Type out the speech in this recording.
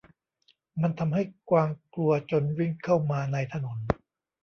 มันทำให้กวางกลัวจนวิ่งเข้ามาในถนน